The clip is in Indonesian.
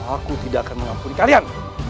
aku tidak akan mengampuni kalian